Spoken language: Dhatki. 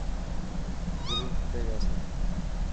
گرور ٽٽي جاسي.